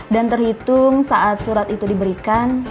dan terhitung saat surat itu diberikan